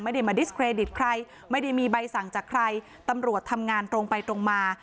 ไม่ได้มาดิสเครดิตใครไม่ได้มีใบสั่งจากใครตำรวจทำงานตรงไปตรงมา